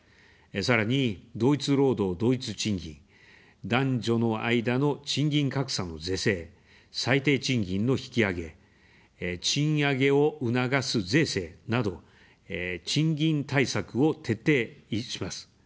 さらに、同一労働同一賃金、男女の間の賃金格差の是正、最低賃金の引き上げ、賃上げを促す税制など賃金対策を徹底します。